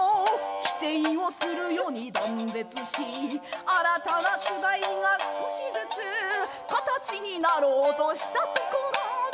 「否定をするように断絶し新たな主題が少しずつ」「形になろうとしたところで」